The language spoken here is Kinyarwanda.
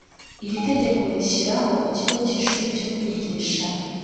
Iri tegeko rishyiraho Ikigo cy ishuli cyo kwigisha